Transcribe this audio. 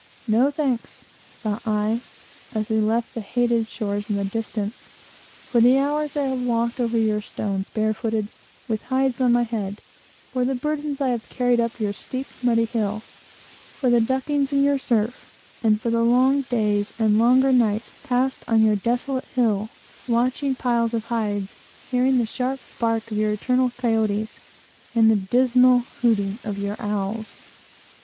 No thanks, thought I, as we left the sandy shores in the distance, for the hours I have walked over your stones, barefooted, with hides on my head; for the burdens I have carried up your steep, muddy hill; for the duckings in your surf; and for the long days and longer nights passed on your desolate hill, watching piles of hides, hearing the sharp bark of your eternal coati, and the dismal hooting of your owls.